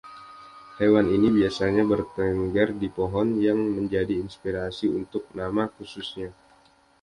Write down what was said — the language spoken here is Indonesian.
Hewan ini biasanya bertengger di pohon, yang menjadi inspirasi untuk nama khususnya.